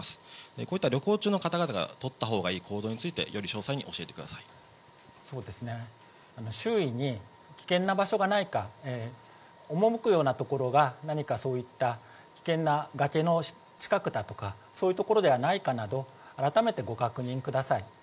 こういった旅行中の方々が取ったほうがいい行動について、より詳そうですね、周囲に危険な場所がないか、赴くような所が、何かそういった危険な崖の近くだとか、そういうところではないかなど、改めてご確認ください。